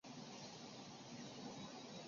于是乎腓特烈踏上前往日尔曼的道路。